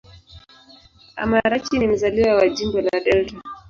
Amarachi ni mzaliwa wa Jimbo la Delta.